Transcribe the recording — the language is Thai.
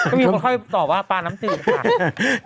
ก็ได้ค่ะก็มีคนค่อยตอบว่าปลาน้ำจืดค่ะ